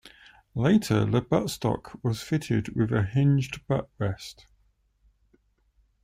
Later the buttstock was fitted with a hinged butt-rest.